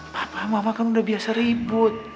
bapak mama kan udah biasa ribut